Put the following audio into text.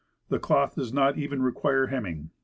The cloth does not even require hemming.